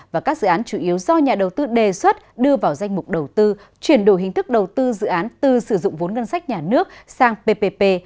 và các dự án chủ yếu do nhà đầu tư đề xuất đưa vào danh mục đầu tư chuyển đổi hình thức đầu tư dự án từ sử dụng vốn ngân sách nhà nước sang ppp